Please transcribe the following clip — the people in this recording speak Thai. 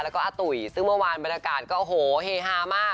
แล้วก็อาตุ๋ยซึ่งเมื่อวานบรรยากาศก็โอ้โหเฮฮามาก